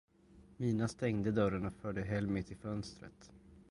Mina stängde dörren och förde Helmi till fönstret.